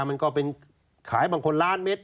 มันก็เป็นขายบางคนล้านเม็ด